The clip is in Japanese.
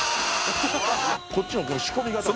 こっちのこの仕込み刀。